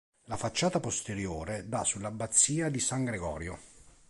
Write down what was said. La facciata posteriore dà sull'abbazia di San Gregorio.